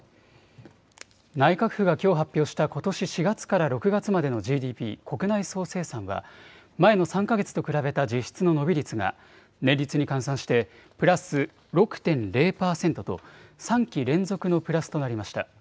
内閣府がきょう発表したことし４月から６月までのＧＤＰ・国内総生産は、前の３か月と比べた実質の伸び率が、年率に換算してプラス６．０％と、３期連続のプラスとなりました。